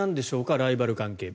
ライバル関係。